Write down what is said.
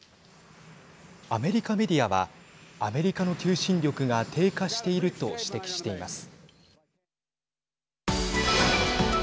アメリカメディアはアメリカの求心力が低下していると指摘しています。